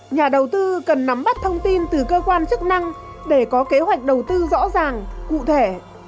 nhà đầu tư cần nắm bắt thông tin từ cơ quan chức năng để có kế hoạch đầu tư rõ ràng cụ thể